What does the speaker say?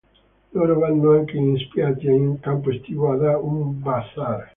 Loro vanno anche in spiaggia, in un campo estivo e da un bazar.